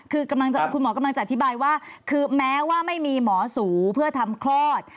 คือคุณหมอกำลังจะอธิบายว่าคือแม้ว่าไม่มีหมอสูเพื่อทำคลอด